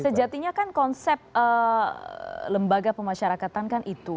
sejatinya kan konsep lembaga pemasyarakatan kan itu